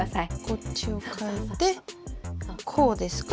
こっちをかえてこうですか？